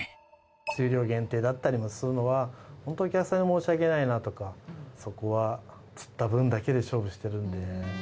数量限定だったりもするのは、本当にお客さんに申し訳ないなとか、そこは釣った分だけで勝負してるんで。